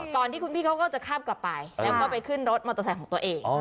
ก่อนที่คุณพี่เขาก็จะข้ามกลับไปแล้วก็ไปขึ้นรถมอเตอร์ไซค์ของตัวเอง